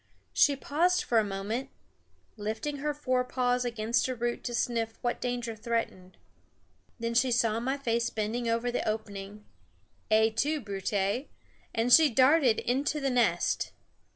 She paused a moment, lifting her forepaws against a root to sniff what danger threatened. Then she saw my face bending over the opening Et tu Brute! and she darted into the nest.